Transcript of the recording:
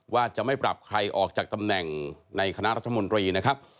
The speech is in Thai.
ว่าจะไม่ปรับใครออกจากตำแหน่งในคณะรัฐมนตรีนะครับ